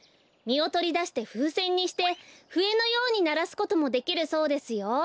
みをとりだしてふうせんにしてふえのようにならすこともできるそうですよ。